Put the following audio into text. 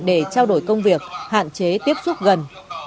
để trao đổi công việc hạn chế tiếp xúc gần